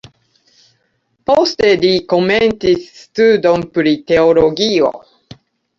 Poste li komencis studon pri teologio.